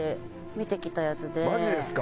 マジですか？